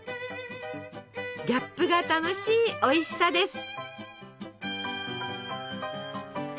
ギャップが楽しいおいしさです。